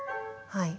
はい。